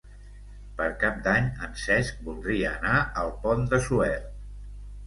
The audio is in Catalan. Per Cap d'Any en Cesc voldria anar al Pont de Suert.